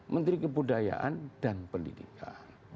menteri kebudayaan dan pendidikan